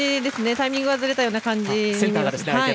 タイミングがずれたような感じ。